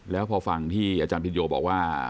แล้วพอฟังที่อาจารย์พินโยบอกว่า